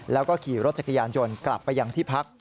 แล้วก็ขี่รถจักรยานยนต์กลับไปยังที่พัก